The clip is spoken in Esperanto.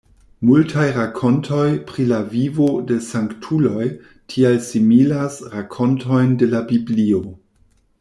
Multaj rakontoj pri la vivo de sanktuloj tial similas rakontojn de la Biblio.